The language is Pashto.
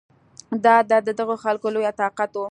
دا عادت د دغه خلکو لوی طاقت و